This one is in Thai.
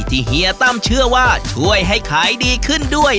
เฮียตั้มเชื่อว่าช่วยให้ขายดีขึ้นด้วย